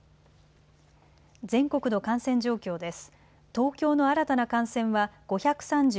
全国の感染状況です。